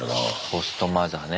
ホストマザーね。